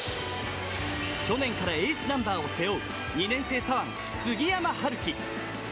去年からエースナンバーを背負う２年生左腕、杉山遙希。